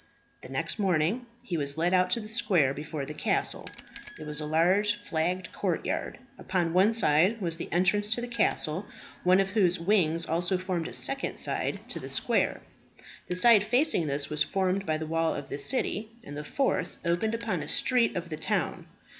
The next morning he was led out to the square before the castle. It was a large flagged courtyard. Upon one side was the entrance to the castle, one of whose wings also formed a second side to the square. The side facing this was formed by the wall of the city, and the fourth opened upon a street of the town.